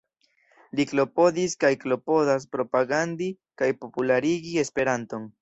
Li klopodis kaj klopodas propagandi kaj popularigi esperanton.